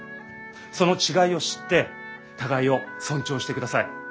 その違いを知って互いを尊重してください。